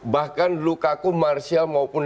bahkan lukaku martial maupun